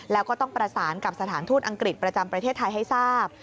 แล้วก็ต้องประสานกับสถานทูตอังกฤษประจำประเทศไทยให้ทราบ